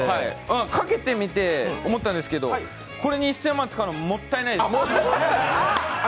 かけてみて思ったんですけど、これに１０００万円使うのはもったいないです。